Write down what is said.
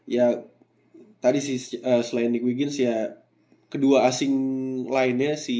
ya tadi sih selain nick weekends ya kedua asing lainnya sih